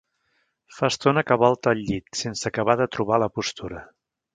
Fa estona que volta al llit, sense acabar de trobar la postura.